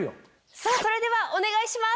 さぁそれではお願いします。